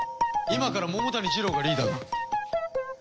今から桃谷ジロウがリーダーだ。